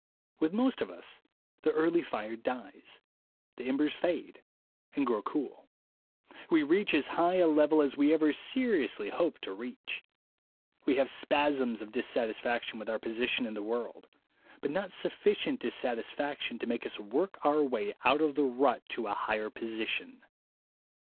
With most of us the early fire dies; the embers fade and grow cool. We reach as high a level as we ever seriously hope to reach. We have spasms of dissatisfaction with our position in the world, but not sufficient dissatisfaction to make us work our way out of the rut to a higher position.